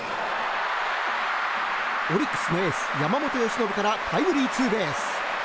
オリックスのエース山本由伸からタイムリーツーベース。